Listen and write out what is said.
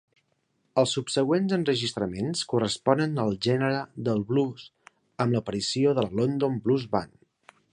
Els subsegüents enregistraments corresponen al gènere del blues amb l'aparició de la London Blues Band.